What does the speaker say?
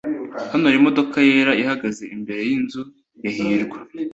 Hano hari imodoka yera ihagaze imbere yinzu ya hirwa